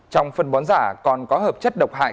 trong phân bón giả còn có hợp chất độc hại